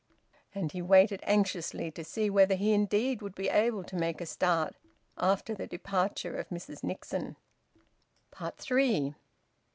And he waited anxiously to see whether he indeed would be able to make a start after the departure of Mrs Nixon. THREE.